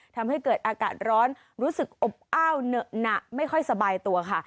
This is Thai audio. ทำให้เกิดอากาศร้อนรู้สึกอบอ้าวเหนอะหนักไม่ค่อยสบายตัวค่ะ